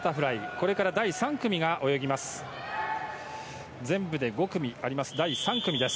これから第３組が泳ぎます。